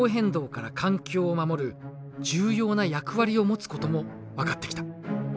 重要な役割を持つことも分かってきた。